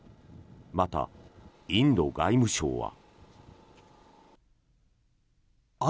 また、インド外務省は。